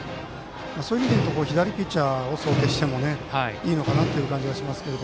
そういう意味で言うと左ピッチャーを想定してもいいのかなという感じがしますが。